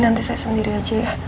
nanti saya sendiri aja ya